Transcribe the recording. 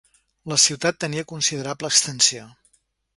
La ciutat tenia considerable extensió.